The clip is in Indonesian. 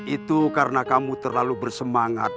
itu karena kamu terlalu bersemangat